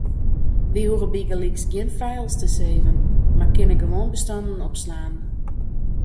We hoege bygelyks gjin files te saven, mar kinne gewoan bestannen opslaan.